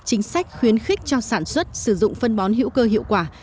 chính sách khuyến khích cho sản xuất sử dụng phân bón hữu cơ hiệu quả